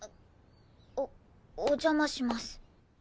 おお邪魔します。